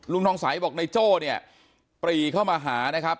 ทองใสบอกนายโจ้เนี่ยปรีเข้ามาหานะครับ